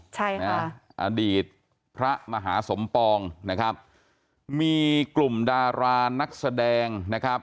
ใช่ค่ะอดีตพระมหาสมปองนะครับมีกลุ่มดารานักแสดงนะครับ